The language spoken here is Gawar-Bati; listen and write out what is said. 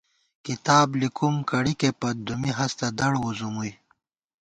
کِتاب لِکوُم کڑِکے پت دُمّی ہستہ دڑ وُزُمُوئی